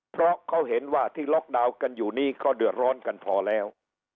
เพราะเขาเห็นว่าที่ล็อกดาวน์กันอยู่นี้ก็เดือดร้อนกันพอแล้ว